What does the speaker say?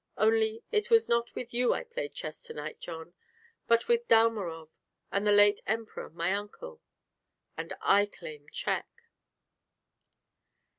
"Only it was not with you I played chess to night, John, but with Dalmorov and the late Emperor, my uncle. And I claim check."